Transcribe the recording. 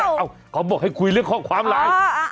อ้าวเขากลัวกให้คุยเรื่องข้อความไลน์